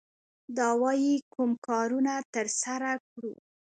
دا وايي کوم کارونه ترسره کړو.